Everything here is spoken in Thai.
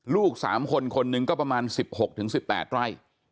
ลูกสามคนคนหนึ่งก็ประมาณสิบหกถึงสิบแปดไร้